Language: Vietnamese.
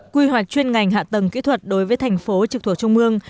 quy hoạch chuyên ngành hạ tầng kỹ thuật đối với thành phố trực thuộc trung mương